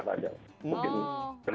mungkin kerja jadi tidak siap